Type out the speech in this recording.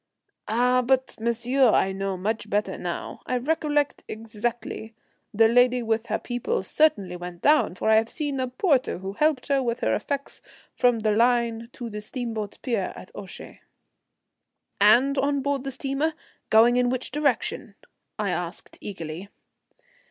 "Ah, but, monsieur, I know much better now. I recollect exactly. The lady with her people certainly went down, for I have seen a porter who helped her with her effects from the line to the steamboat pier at Ouchy." "And on board the steamer? Going in which direction?" I asked eagerly.